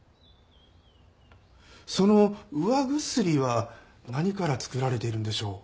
その釉薬は何から作られているんでしょう？